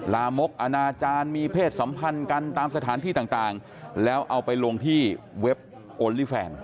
ลามกอนาจารย์มีเพศสัมพันธ์กันตามสถานที่ต่างแล้วเอาไปลงที่เว็บโอลี่แฟน